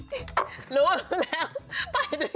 หูดับรู้แล้วไปด้วยค่ะ